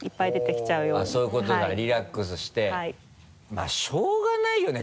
まぁしょうがないよね？